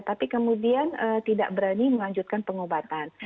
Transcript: tapi kemudian tidak berani melanjutkan pengobatan